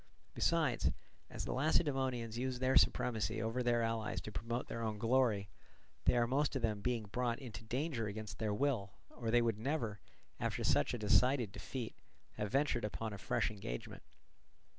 Besides, as the Lacedaemonians use their supremacy over their allies to promote their own glory, they are most of them being brought into danger against their will, or they would never, after such a decided defeat, have ventured upon a fresh engagement.